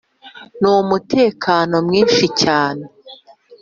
numutekano mwinshi cyane